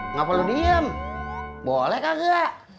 ngapain lu diem boleh kakak